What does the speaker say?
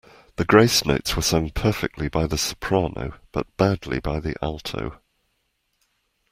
The grace notes were sung perfectly by the soprano, but badly by the alto